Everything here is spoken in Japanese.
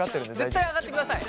絶対上がってください。